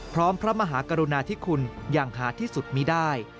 พร้อมพระมหากรุณาทิคุณภาพอย่างหาที่สุดมีดาย